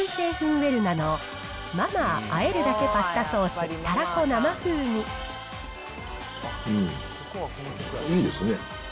ウェルナのマ・マーあえるだけパスタソースたらこ生風味うん、いいですね。